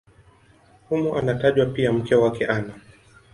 Humo anatajwa pia mke wake Ana.